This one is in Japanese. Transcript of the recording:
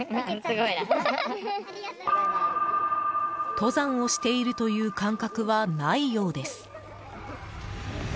登山をしているという感覚はないようです。